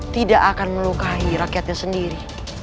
tidak akan melukai rakyatnya sendiri